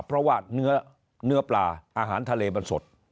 เพราะว่าเนื้อปลาอาหารทะเลมันสด